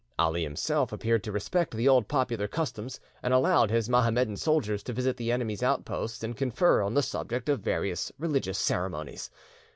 Ali himself appeared to respect the old popular customs, and allowed his Mohammedan soldiers to visit the enemy's outposts and confer on the subject of various religious ceremonies.